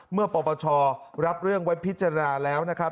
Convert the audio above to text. ปปชรับเรื่องไว้พิจารณาแล้วนะครับ